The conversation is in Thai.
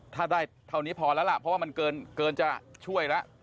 ถ้าได้เท่านี้พอแล้วล่ะเพราะว่ามันเกินจะช่วยแล้ว